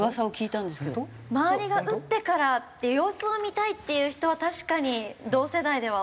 周りが打ってから様子を見たいっていう人は確かに同世代では多いなっていう。